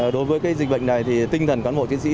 đối với dịch bệnh này thì tinh thần cán bộ chiến sĩ